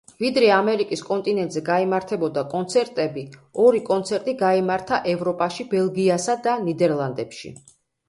ვიდრე ამერიკის კონტინენტზე გაიმართებოდა კონცერტები ორი კონცერტი გაიმართა ევროპაში ბელგიასა და ნიდერლანდებში.